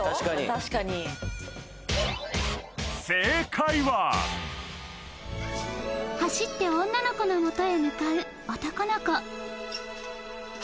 確かに・確かに走って女の子のもとへ向かう男の子